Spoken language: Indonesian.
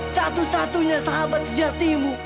satu satunya sahabat sejati mu